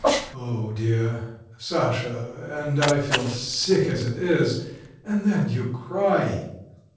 Oh, dear! Sasha, and I feel sick as it is, and then you cry!"